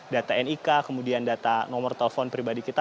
data nik kemudian data nomor telepon pribadi kita